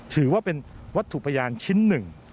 ถือว่าเป็นวัตถุพยานชิ้นหนึ่ง